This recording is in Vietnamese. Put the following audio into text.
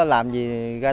trong một năm